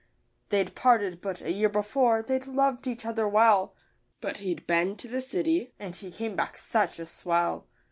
They'd parted but a year before; they'd loved each other well, But he'd been to the city, and he came back such a swell.